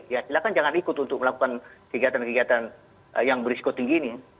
ya silahkan jangan ikut untuk melakukan kegiatan kegiatan yang berisiko tinggi ini